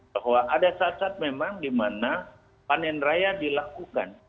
bahwa ada saat saat memang di mana panen raya dilakukan